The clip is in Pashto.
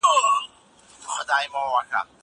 زه پلان نه جوړوم!